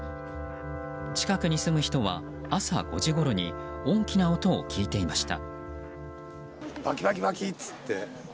近くに住む人は朝５時ごろに大きな音を聞いていました。